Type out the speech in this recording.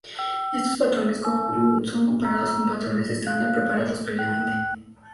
Estos patrones son comparados con patrones estándar preparados previamente.